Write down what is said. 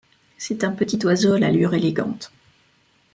C'est un petit oiseau à l'allure élégante.